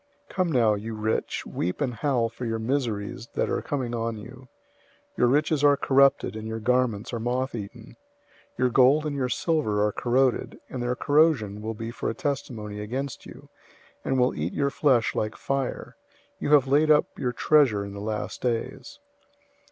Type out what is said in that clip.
005:001 Come now, you rich, weep and howl for your miseries that are coming on you. 005:002 Your riches are corrupted and your garments are moth eaten. 005:003 Your gold and your silver are corroded, and their corrosion will be for a testimony against you, and will eat your flesh like fire. You have laid up your treasure in the last days.